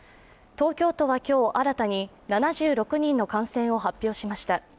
東京都は今日、新たに７６人の感染を発表しました。